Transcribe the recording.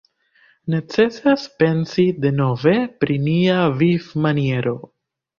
Necesas pensi denove pri nia vivmaniero.